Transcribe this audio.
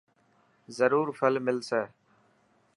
زرور ڦل ملسي .